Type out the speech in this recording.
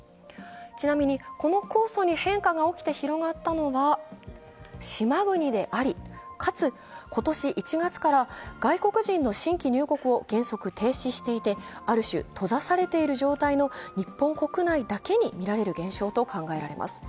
ちなみに、この酵素に変化が起きて広がったのは、島国であり、かつ、今年１月から外国人の新規入国を原則停止していて、ある種閉ざされている状態の日本国内だけに見られる現象と考えられます。